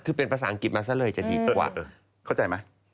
คือเป็นภาษาอังกฤษมาซะเลยจะดีกว่าเข้าใจไหม